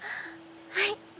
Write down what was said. はい！